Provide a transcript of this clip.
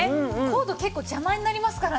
コード結構邪魔になりますからね。